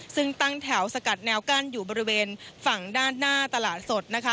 ซึ่งตั้งแถวสกัดแนวกั้นอยู่บริเวณฝั่งด้านหน้าตลาดสดนะคะ